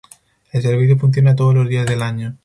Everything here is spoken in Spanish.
El servicio funciona todos los días del año.